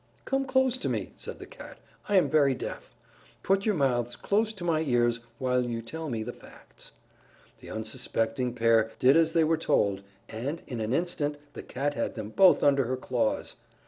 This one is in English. "Come close to me," said the Cat, "I am very deaf. Put your mouths close to my ears while you tell me the facts." The unsuspecting pair did as they were told and in an instant the Cat had them both under her claws.